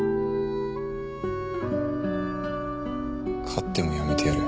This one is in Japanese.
勝っても辞めてやる。